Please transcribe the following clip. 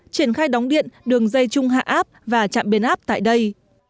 triển khai đóng điện đường dây chung hạ áp và trạm biến áp tại đây